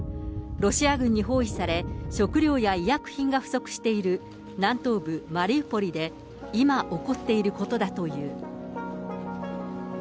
ロシア軍に包囲され、食料や医薬品が不足している南東部マリウポリで今起こっていることだという。